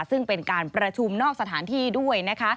ซึ่งเป็นการประชุมนอกสถานที่ด้วยนะคะ